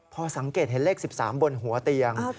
พอสังเกตเห็นเลข๑๓บนหัวเตียง